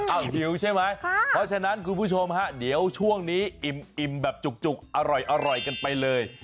เอาหิวใช่ไหมเพราะฉะนั้นคุณผู้ชมฮะเดี๋ยวช่วงนี้อิ่มแบบจุกอร่อยกันไปเลย